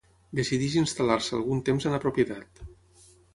Decideix instal·lar-se algun temps en la propietat.